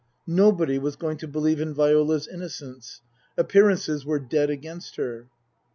Nobody was going to believe in Viola's innocence. Appearances were dead against her.